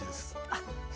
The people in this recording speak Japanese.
あっ！